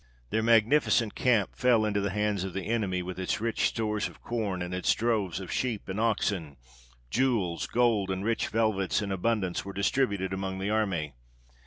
Their magnificent camp fell into the hands of the enemy, with its rich stores of corn, and its droves of sheep and oxen. Jewels, gold, and rich velvets in abundance were distributed among the army.